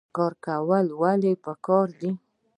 کار کول ولې پکار دي؟